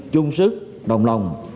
chung sức đồng lòng